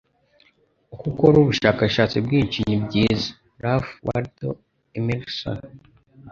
Uko ukora ubushakashatsi bwinshi, ni byiza. ”- Ralph Waldo Emerson